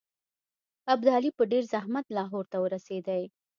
ابدالي په ډېر زحمت لاهور ته ورسېدی.